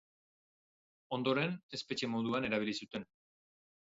Ondoren espetxe moduan erabili zuten.